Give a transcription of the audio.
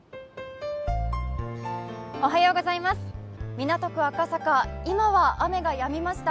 港区赤坂、今は雨がやみました。